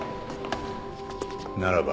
ならば。